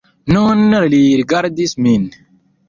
Nun li rigardas min!